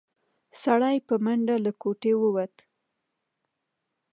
سړی په منډه له کوټې ووت.